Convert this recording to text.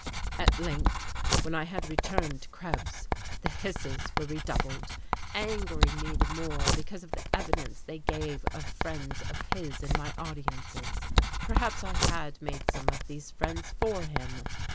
At length, when I had returned to Krebs, the hisses were redoubled, angering me the more because of the evidence they gave of friends of his in my audiences. Perhaps I had made some of these friends for him!